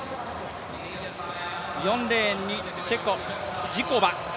４レーンにチェコ、ジコバ。